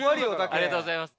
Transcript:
ありがとうございます。